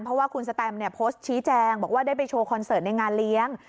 เพราะว่าคุณสแตมเนี่ยโพสต์ชี้แจงบอกว่าได้ไปโชว์คอนเสิร์ตในงานเลี้ยง